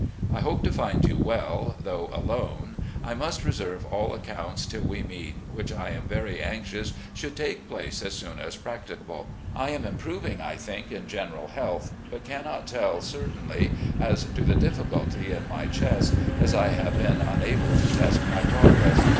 I hope to find you well, though alone. I must reserve all accotmts till we meet, which I am very anxious should take place as soon as practicable. I am improving, I think, in general health, but cannot teU certainly as to the difficulty in my chest, as I have been unable to test my progress.